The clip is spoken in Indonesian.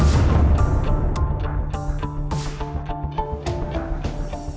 saya masih banyak kerjaan